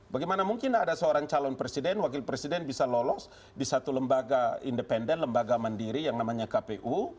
bagaimana mungkin ada seorang calon presiden wakil presiden bisa lolos di satu lembaga independen lembaga mandiri yang namanya kpu